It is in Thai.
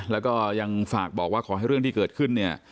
แล้วก็ยังฝากบอกว่าขอให้เรื่องที่เกิดขึ้นเนี่ย